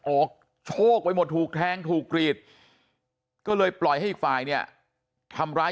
ออกโชคไปหมดถูกแทงถูกกรีดก็เลยปล่อยให้อีกฝ่ายเนี่ยทำร้าย